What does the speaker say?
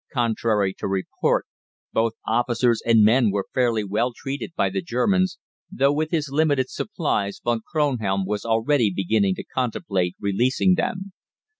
Contrary to report, both officers and men were fairly well treated by the Germans, though with his limited supplies Von Kronhelm was already beginning to contemplate releasing them.